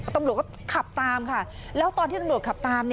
ตำรวจก็ขับตามค่ะแล้วตอนที่ตำรวจขับตาม